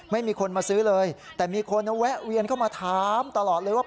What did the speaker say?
ไม่มีคนมาซื้อเลยแต่มีคนแวะเวียนเข้ามาถามตลอดเลยว่า